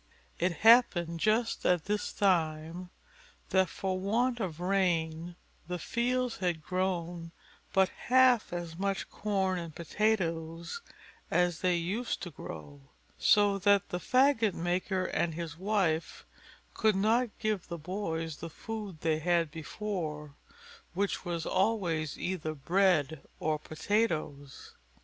It happened just at this time, that for want of rain the fields had grown but half as much corn and potatoes as they used to grow; so that the faggot maker and his wife could not give the boys the food they had before, which was always either bread or potatoes.